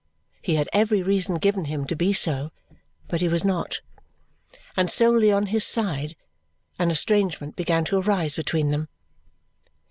He had every reason given him to be so, but he was not; and solely on his side, an estrangement began to arise between them.